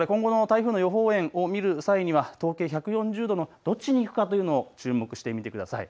今後の台風の予報円を見る際には東経１４０度のどっちに行くかを注目してみてください。